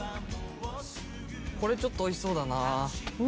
「これちょっと美味しそうだな」